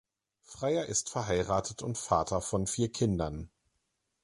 Freier ist verheiratet und Vater von vier Kindern.